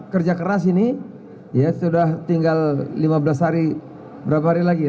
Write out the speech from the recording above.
kerja keras ini ya sudah tinggal lima belas hari berapa hari lagi